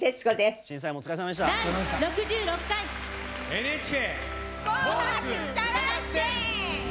ＮＨＫ。